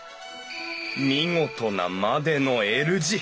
見事なまでのＬ字！